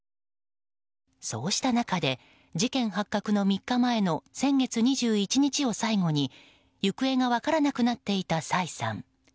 そうした中で事件発覚の３日前の先月２１日を最後に行方が分からなくなっていたサイさん。